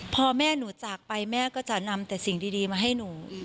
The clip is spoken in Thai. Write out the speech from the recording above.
พอแม่หนูจากไปแม่ก็จะนำแต่สิ่งดีมาให้หนูอีก